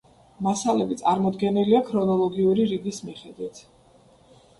მასალები წარმოდგენილია ქრონოლოგიური რიგის მიხედვით.